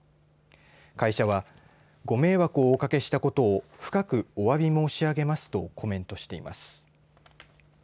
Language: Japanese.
会社はご迷惑をおかけしたことを深くおわび申し上げますとコメントしています。